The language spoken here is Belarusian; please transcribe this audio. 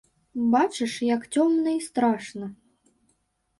Бачыш, як цёмна і страшна!